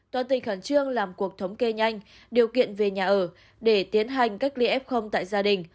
toàn tỉnh khẩn trương làm cuộc thống kê nhanh điều kiện về nhà ở để tiến hành cách ly f tại gia đình